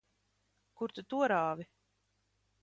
Kur tu to rāvi?